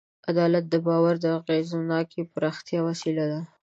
عدالت د باور د اغېزناکې پراختیا وسیله ده.